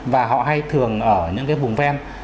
và họ hay thường ở những cái vùng ven